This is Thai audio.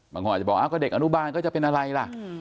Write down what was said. บางคนอาจจะบอกก็เด็กอนุบาลก็จะเป็นอะไรล่ะ